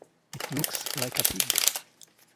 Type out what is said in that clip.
It looks like a pig.